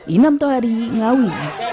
inam tuhari ngawi